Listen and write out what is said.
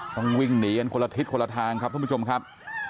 ต้องวิ่งหนีกันคนละทิศคนละทางครับท่านผู้ชมครับ